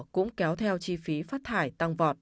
cũng kéo theo chi phí phát thải tăng vọt